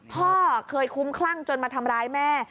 พ่อเคยคุ้มคลั่งจนมาทำร้ายแม่